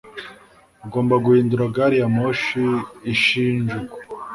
Ugomba guhindura gari ya moshi i Shinjuku.